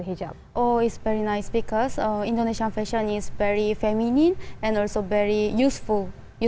oh itu sangat bagus karena pakaian indonesia sangat feminin dan juga sangat berguna dalam hidup